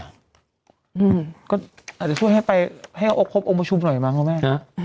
อาจจะช่วยให้ไปให้พบองค์ประชุมหน่อยมั้งคุณแม่